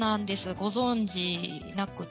ご存じなくて。